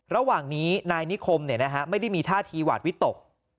ระหว่างนี้นายนิคมไม่ได้มีท่าทีหวาดวิตก